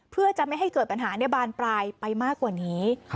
เพื่อจะไม่ให้เกิดปัญหาในบานปลายไปมากกว่านี้